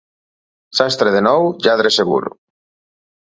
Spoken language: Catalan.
Sastre de nou, lladre segur.